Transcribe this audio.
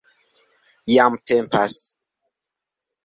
Jam tempas